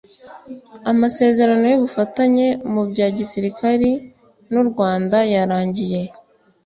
amasezerano y'ubufatanye mu bya gisirikari n'u rwanda yarangiye